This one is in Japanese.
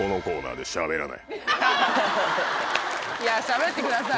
いやしゃべってください。